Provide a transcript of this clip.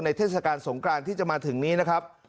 เทศกาลสงกรานที่จะมาถึงนี้นะครับ